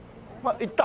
行った？